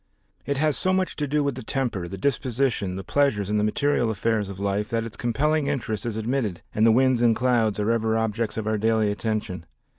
It has so much to do with the temper, the disposition the pleasures and the material affairs of life that its compelling interest is admitted and the winds and clouds are ever objects of our daily attention.